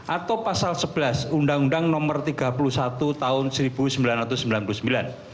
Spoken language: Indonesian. atau pasal sebelas undang undang nomor tiga puluh satu tahun seribu sembilan ratus sembilan puluh sembilan